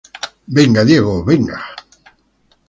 Go, Diego, Go!